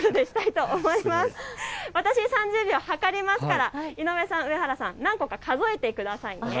私３０秒計りますから井上さん、上原さん何個か数えてくださいね。